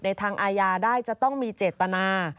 ทางอาญาได้จะต้องมีเจตนา